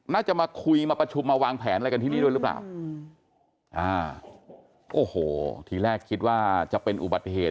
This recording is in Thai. น่าจะมาคุยมาประชุมมาวางแผนอะไรกันที่นี่ด้วยหรือเปล่าโอ้โหทีแรกคิดว่าจะเป็นอุบัติเหตุ